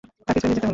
তাকে চলে যেতে হল।